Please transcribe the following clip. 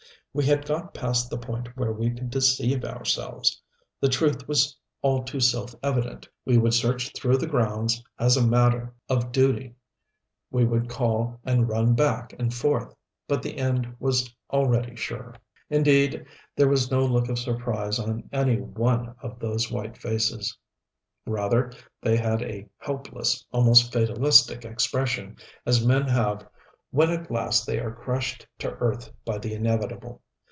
We had got past the point where we could deceive ourselves. The truth was all too self evident. We would search through the grounds, as a matter of duty we would call and run back and forth. But the end was already sure. Indeed, there was no look of surprise on any one of those white faces. Rather they had a helpless, almost fatalistic expression, as men have when at last they are crushed to earth by the inevitable.